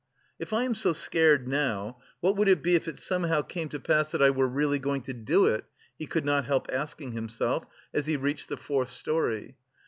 "If I am so scared now, what would it be if it somehow came to pass that I were really going to do it?" he could not help asking himself as he reached the fourth storey.